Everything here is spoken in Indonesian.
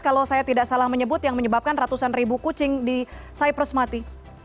kalau saya tidak salah menyebut yang menyebabkan ratusan ribu kucing di cypres mati